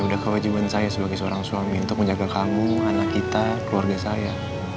udah kewajiban saya sebagai seorang suami untuk menjaga kamu anak kita keluarga saya